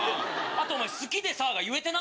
あとお前「好きでさ」が言えてなかった。